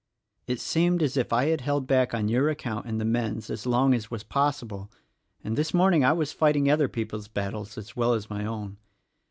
It seemed as if I had held back on your account and the men's as long as was possible — and this morning I was fighting other people's battles as well as my own.